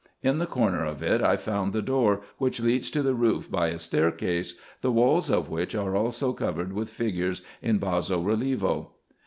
In the corner of it I found the door, which leads to the roof by a staircase, the walls of which are also covered with figures in basso relievo.